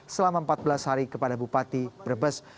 selama empat belas hari kepada bupati brebes